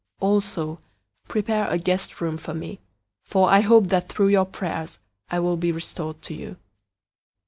001:022 Also, prepare a guest room for me, for I hope that through your prayers I will be restored to you.